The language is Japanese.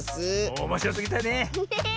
おもしろすぎたね！ね！